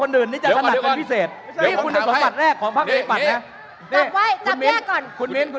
เดี๋ยวผมถามให้เดี๋ยวผมถามให้เดี๋ยวผมถามให้เดี๋ยวผมถามให้